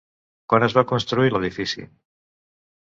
Quan es va construir l'edifici?